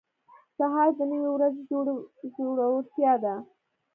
سهار د نوې ورځې زړورتیا ده.